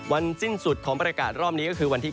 สิ้นสุดของประกาศรอบนี้ก็คือวันที่๒